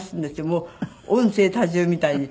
もう音声多重みたいに。